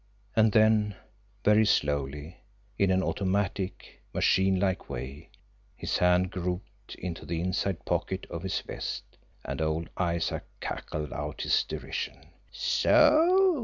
And then, very slowly, in an automatic, machine like way, his hand groped into the inside pocket of his vest and old Isaac cackled out in derision. "So!